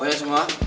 oh iya semua